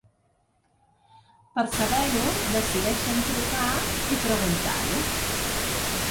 Per saber-ho, decideixen trucar i preguntar-ho.